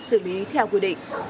xử lý theo quy định